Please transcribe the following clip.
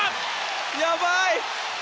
やばい！